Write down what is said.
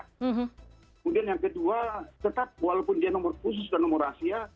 kemudian yang kedua tetap walaupun dia nomor khusus dan nomor rahasia